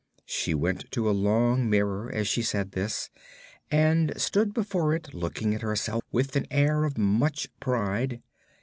She went to a long mirror, as she said this, and stood before it, looking at herself with an air of much pride.